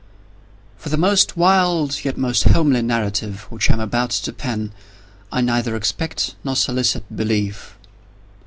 For the most wild, yet most homely narrative which I am about to pen, I neither expect nor solicit belief.